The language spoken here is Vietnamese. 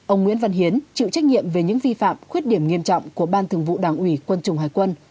ông nguyễn văn hiến chịu trách nhiệm về những vi phạm khuyết điểm nghiêm trọng của ban thường vụ đảng ủy quân chủng hải quân